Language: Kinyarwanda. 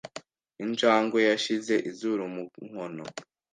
Injangwe yashyize izuru mu nkono.